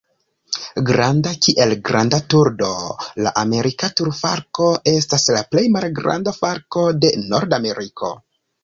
Granda kiel granda turdo, la Amerika turfalko estas la plej malgranda falko de Nordameriko.